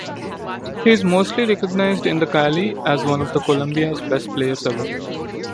He is mostly recognized in Cali as one of Colombia's best players ever.